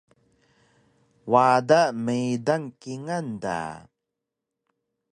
Wada meydang kingal da